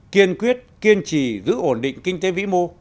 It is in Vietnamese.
kiên quyết kiên trì giữ ổn định kinh tế vĩ mô